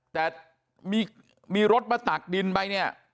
แต่มีรถมาตักดินไปเนี่ย